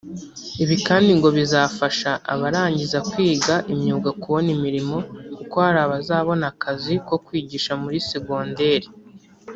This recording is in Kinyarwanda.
Ibi kandi ngo bizafasha abarangiza kwiga imyuga kubona imirimo kuko hari abazabona akazi ko kwigisha muri segonderi